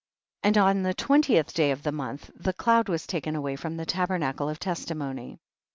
25. And on the twentieth day of the month, the cloud was taken away from the tabernacle of testimony.